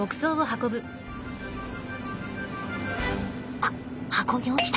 あっ箱に落ちた。